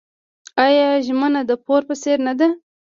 آیا ژمنه د پور په څیر نه ده؟